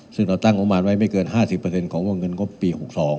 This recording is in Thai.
ซึ่งเราตั้งงบประมาณไว้ไม่เกิน๕๐ของวงเงินงบปี๖๒